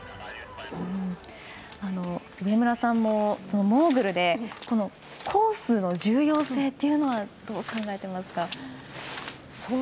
上村さんも、モーグルでコースの重要性というのはどう考えてますか。